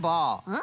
ん？